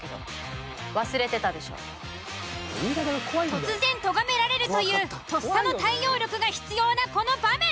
突然とがめられるというとっさの対応力が必要なこの場面。